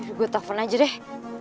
aduh gue telfon aja deh